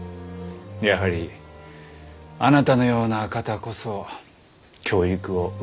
やはりあなたのような方こそ教育を受けるべきでしたね。